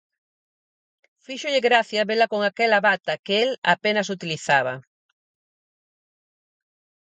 Fíxolle gracia vela con aquela bata que el a penas utilizaba.